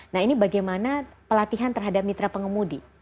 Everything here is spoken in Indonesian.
nah ini bagaimana pelatihan terhadap mitra pengemudi